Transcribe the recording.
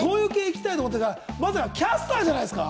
まさか、キャスターじゃないですか？